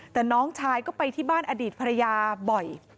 แต่น้องชายก็ไปที่บ้านอดีตภรรยาบ่อย